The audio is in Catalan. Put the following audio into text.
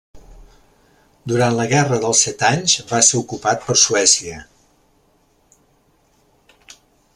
Durant la Guerra dels Set Anys va ser ocupat per Suècia.